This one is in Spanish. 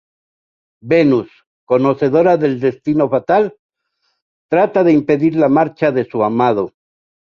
Venus, conocedora del destino fatal, trata de impedir la marcha de su amado.